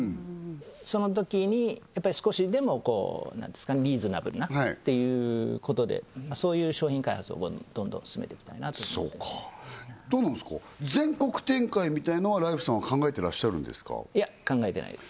そのときにやっぱり少しでもリーズナブルなっていうことでそういう商品開発をどんどん進めていきたいなとそうかどうなんですか全国展開みたいのはライフさんは考えてらっしゃるんですかいや考えてないです